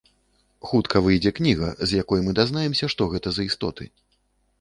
Хутка выйдзе кніга, з якой мы дазнаемся, што гэта за істоты.